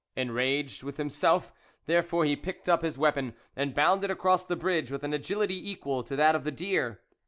Enraged with himself, therefore, he picked up his weapon, and bounded across the bridge with an agility equal to that of the deer.